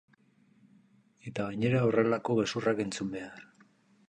Eta gainera horrelako gezurrak entzun behar!